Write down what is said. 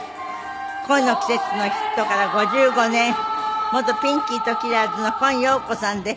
『恋の季節』のヒットから５５年元ピンキーとキラーズの今陽子さんです。